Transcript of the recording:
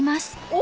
お！